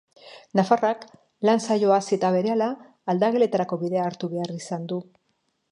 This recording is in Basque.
Nafarrak lan-saioa hasi eta berehala, aldageletarako bidea hartu behar izan du.